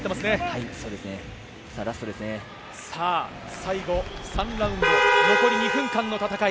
最後、３ラウンド残り２分間の戦い。